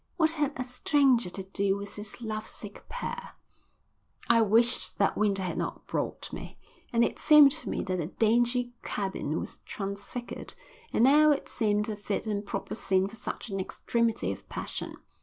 What had a stranger to do with this love sick pair? I wished that Winter had not brought me. And it seemed to me that the dingy cabin was transfigured and now it seemed a fit and proper scene for such an extremity of passion.